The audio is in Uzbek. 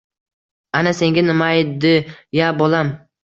Ana senga nimaydi-ya bolam?»